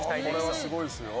これはすごいですよ。